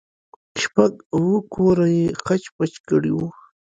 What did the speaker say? شپږ اوه کوره يې خچ پچ کړي وو.